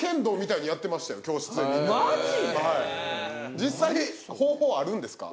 実際に方法あるんですか？